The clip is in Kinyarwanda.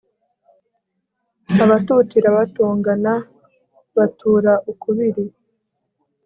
abatutira batongana batura ukubiri